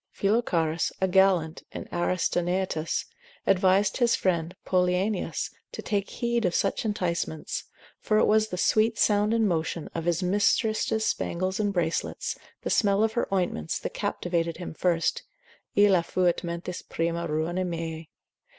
Philocharus, a gallant in Aristenaetus, advised his friend Poliaenus to take heed of such enticements, for it was the sweet sound and motion of his mistress's spangles and bracelets, the smell of her ointments, that captivated him first, Illa fuit mentis prima ruina meae.